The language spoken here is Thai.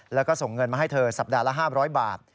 แล้วก็ส่งเงินมาให้เธอสัปดาห์ละ๕๐๐บาท